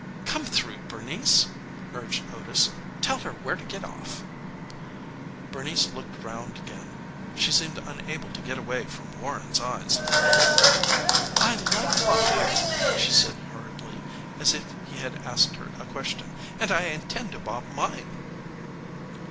"Come through, Bernice," urged Otis. "Tell her where to get off." Bernice looked round again she seemed unable to get away from Warren's eyes. "I like bobbed hair," she said hurriedly, as if he had asked her a question, "and I intend to bob mine."